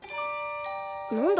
何だ？